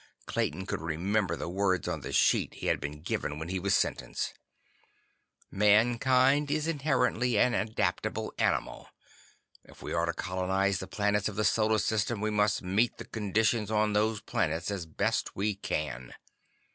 Clayton could remember the words on the sheet he had been given when he was sentenced. "Mankind is inherently an adaptable animal. If we are to colonize the planets of the Solar System, we must meet the conditions on those planets as best we can.